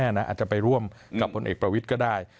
ไม่แน่น่ะอาจจะไปร่วมกับพลเอกประวิทย์ก็ได้